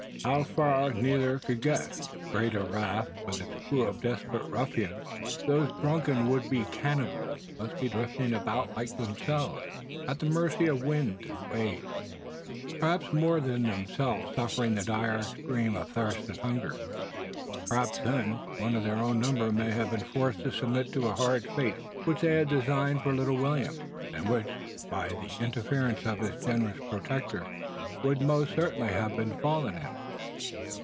Somewhere in that direction how far neither could guess that greater raft, with its crew of desperate ruffians, those drunken would be cannibals, must be drifting about, like themselves, at the mercy of winds and waves: perhaps more than themselves suffering the dire extreme of thirst and hunger. Perhaps, ere then, one of their own number may have been forced to submit to the horrid fate which they had designed for little William; and which, but for the interference of his generous protector, would most certainly have befallen him.